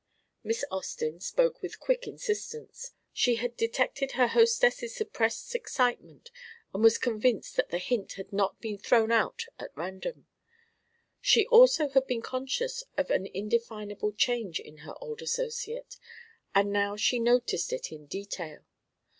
Miss Austin spoke with quick insistence. She had detected her hostess' suppressed excitement and was convinced that the hint had not been thrown out at random. She also had been conscious of an indefinable change in her old associate, and now she noticed it in detail.